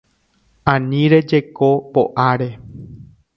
Ani rejeko po'áre